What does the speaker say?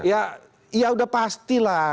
ya sudah pasti lah